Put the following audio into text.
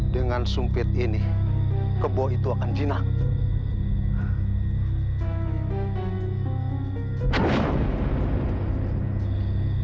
dengan sumpit ini kebo itu akan jinang